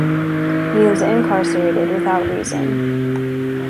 He is incarcerated without reason.